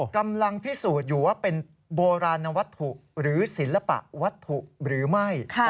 กำลังพิสูจน์อยู่ว่าเป็นโบราณวัตถุหรือศิลปะวัตถุหรือไม่